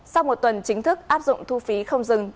sau một tuần chính thức áp dụng thu phí không dừng